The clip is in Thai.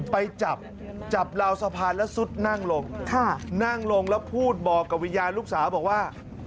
ไปจับจับราวสะพานแล้วซุดนั่งลงนั่งลงแล้วพูดบอกกับวิญญาณลูกสาวบอกว่า